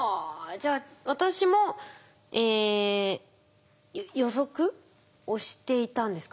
じゃあ私も予測をしていたんですか？